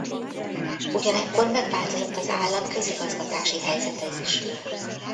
Ugyanekkor megváltozott az állam közigazgatási helyzete is.